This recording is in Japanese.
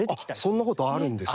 そんなことあるんですか？